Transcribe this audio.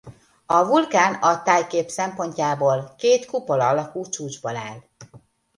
A vulkán a tájkép szempontjából két kupola alakú csúcsból áll.